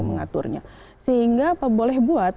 mengaturnya sehingga boleh buat